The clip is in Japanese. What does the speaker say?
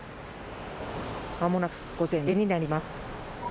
まもなく午前０時になります。